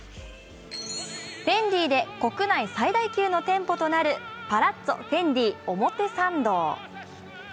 ＦＥＮＤＩで国内最大級の店舗となるパラッツォフェンディ表参道。